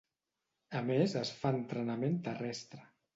A més es fa entrenament terrestre.